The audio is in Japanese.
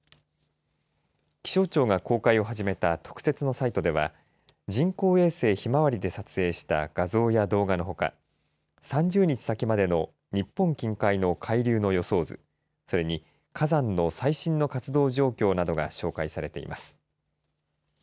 気象庁が公開を始めた特設のサイトでは人工衛星ひまわりで撮影した画像や動画のほか３０日先までの日本近海の海流の予想図それに火山の最新の活動状況などが紹介されています。